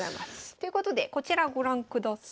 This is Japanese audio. ということでこちらご覧ください。